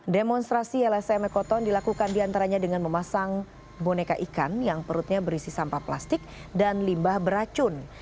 demonstrasi lsm ekoton dilakukan diantaranya dengan memasang boneka ikan yang perutnya berisi sampah plastik dan limbah beracun